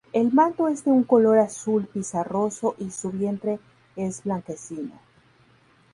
El manto es de un color azul pizarroso y su vientre es blanquecino.